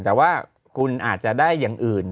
แต่ว่าคุณอาจจะได้อย่างอื่น